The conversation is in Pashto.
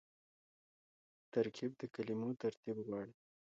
ترکیب د کلمو ترتیب غواړي.